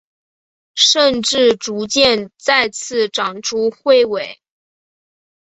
甚至逐渐再次长出彗尾。